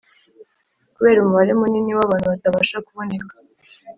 kubera umubare munini w’abantu batabasha kuboneka,